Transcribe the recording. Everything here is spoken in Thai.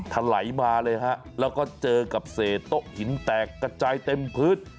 ถลายมาเลยฮะแล้วก็เจอกับเศษโต๊ะหินแตกกระจายเต็มพื้น